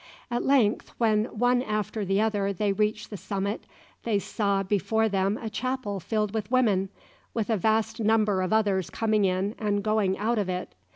At length, when one after the other they reached the summit, they saw before them a chapel filled with women, with a vast number of others coming in and going out of it.